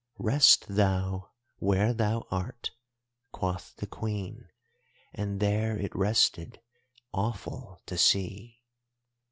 "'Rest thou where thou art,' quoth the Queen, and there it rested, awful to see.